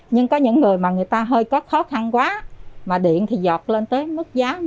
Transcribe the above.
nhưng có những người mà người ta hơi có khó khăn quá mà điện thì giọt lên tới mức giá